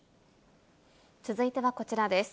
続いてはこちらです。